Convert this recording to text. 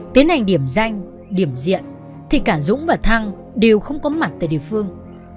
tiến hành điểm danh điểm diện thì cả dũng và thăng đều không có mặt tại địa phương